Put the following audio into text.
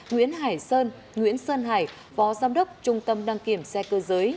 nguyễn hải sơn nguyễn sơn hải phó giám đốc trung tâm đăng kiểm xe cơ giới